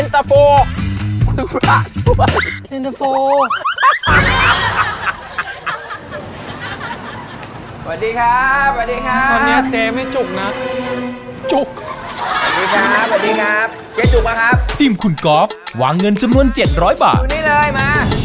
ตรงไหม